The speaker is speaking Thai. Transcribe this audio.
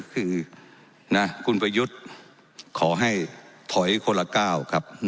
คือคุณประยุทธ์ขอให้ถอยคนละก้าวครับ